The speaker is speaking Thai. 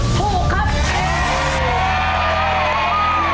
ขอบคุณครับ